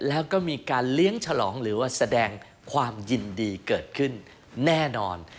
แล้วก็มีการเลี้ยงฉลองหรือว่าแสดงความยินดีเกิดขึ้นแน่นอน